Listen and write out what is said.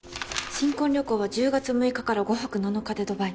新婚旅行は１０月６日から５泊７日でドバイ。